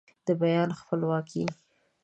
د بیان خپلواکي